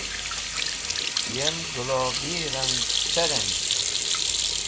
yem globi rang caren